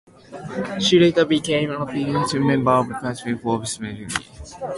She later became a federal Member of Parliament for Sudbury's Nickel Belt riding.